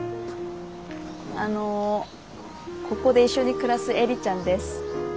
あのここで一緒に暮らす映里ちゃんです。